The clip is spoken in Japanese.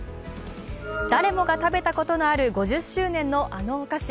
誰もが食べたことのある５０周年のあのお菓子。